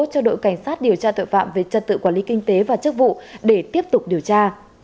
cho đội cảnh sát điều tra tội phạm về trật tự quản lý kinh tế và chức vụ để tiếp tục điều tra